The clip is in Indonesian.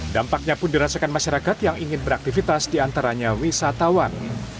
dampaknya pun dirasakan masyarakat yang ingin beraktifitas di antaranya wisatawan